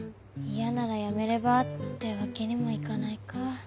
嫌ならやめればってわけにもいかないか。